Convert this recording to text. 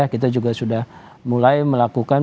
kita juga sudah mulai melakukan